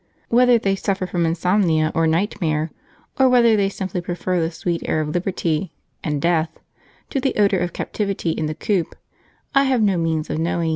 Whether they suffer from insomnia, or nightmare, or whether they simply prefer the sweet air of liberty (and death) to the odour of captivity and the coop, I have no means of knowing.